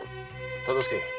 忠相。